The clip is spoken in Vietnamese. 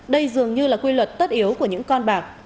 đây dường như là quy luật tất yếu của những con bạc